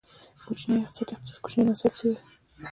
کوچنی اقتصاد، د اقتصاد کوچني مسایل څیړي.